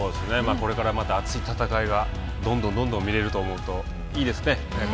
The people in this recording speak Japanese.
これからまた熱い戦いがどんどんどんどん見れると思うといいですね。